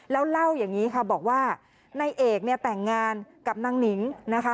แล้วเล่าอย่างนี้ค่ะบอกว่านายเอกเนี่ยแต่งงานกับนางหนิงนะคะ